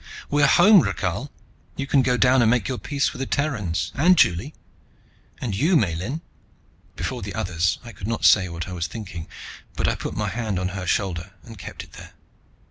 We're home. Rakhal, you can go down and make your peace with the Terrans, and Juli. And you, Miellyn " Before the others, I could not say what I was thinking, but I put my hand on her shoulder and kept it there.